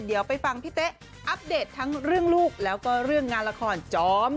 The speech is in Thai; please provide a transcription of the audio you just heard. เดี๋ยวไปฟังพี่เต๊ะอัปเดตทั้งเรื่องลูกแล้วก็เรื่องงานละครจอม